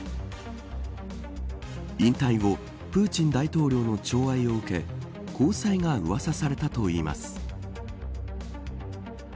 引退後、プーチン大統領のちょう愛を受け交際が噂されたといいます。